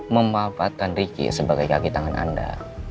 memanfaatkan ricky sebagai kaki tangan anda